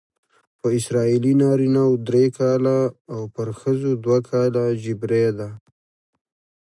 پر اسرائیلي نارینه وو درې کاله او پر ښځو دوه کاله جبری ده.